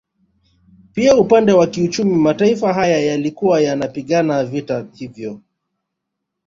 Pia upande wa kiuchumi mataifa haya yalikuwa yanapigana vita hivyo